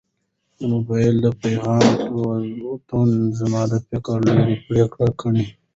د موبایل د پیغام ټون زما د فکر لړۍ پرې کړه.